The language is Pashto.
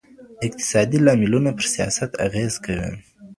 اقتصادي لاملونه پر سياست اغېز کوي.